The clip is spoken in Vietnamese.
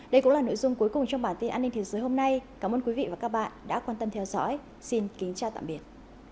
đây cũng là nội dung cuối cùng trong bản tin an ninh thế giới hôm nay cảm ơn quý vị và các bạn đã quan tâm theo dõi xin kính chào tạm biệt